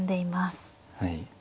はい。